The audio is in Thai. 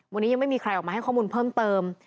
วันนี้ยังไม่มีใครออกมาให้ข้อมูลเพิ่มเติม